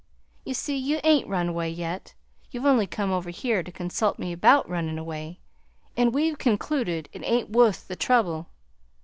You see you ain't run away yet; you've only come over here to consult me 'bout runnin' away, an' we've concluded it ain't wuth the trouble.